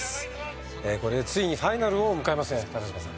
これでついにファイナルを迎えますね嶋さん。